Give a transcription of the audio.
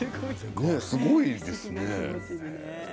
すごいですね。